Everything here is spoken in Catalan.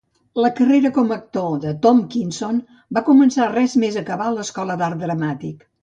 La carrera com a actor de Tompkinson va començar res més acabar l'escola d'art dramàtic.